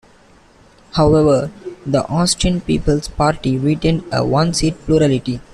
However, the Austrian People's Party retained a one-seat plurality.